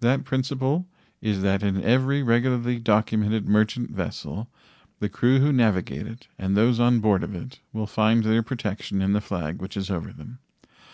That principle is that in every regularly documented merchant vessel the crew who navigate it and those on board of it will find their protection in the flag which is over them.